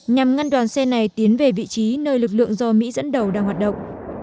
nhằm ngăn đoàn xe này tiến về vị trí nơi lực lượng do mỹ dẫn đầu đang hoạt động